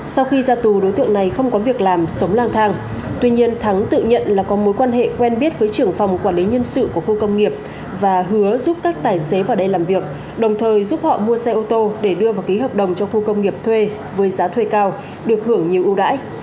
sau khi ra tù đối tượng này không có việc làm sống lang thang tuy nhiên thắng tự nhận là có mối quan hệ quen biết với trưởng phòng quản lý nhân sự của khu công nghiệp và hứa giúp các tài xế vào đây làm việc đồng thời giúp họ mua xe ô tô để đưa vào ký hợp đồng trong khu công nghiệp thuê với giá thuê cao được hưởng nhiều ưu đãi